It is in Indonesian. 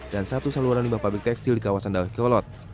dan satu saluran limbah publik tekstil di kawasan dayakolot